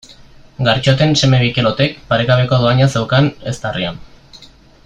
Gartxoten seme Mikelotek paregabeko dohaina zeukan eztarrian.